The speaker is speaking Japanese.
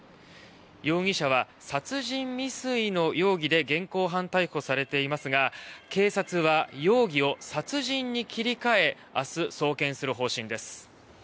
容疑者は殺人未遂の容疑で現行犯逮捕されていますが警察は、容疑を殺人に切り替え明日、送検する方針です。